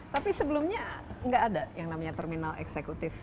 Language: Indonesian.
tapi sebelumnya nggak ada yang namanya terminal eksekutif